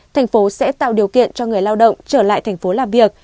thành phố sẽ tạo điều kiện cho người lao động trở lại thành phố làm việc